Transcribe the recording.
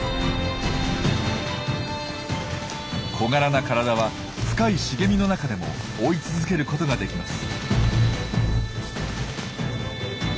小柄な体は深い茂みの中でも追い続けることができます。